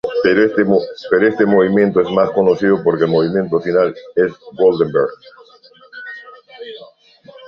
Pero este movimiento es más conocido porque es el movimiento final de Goldberg.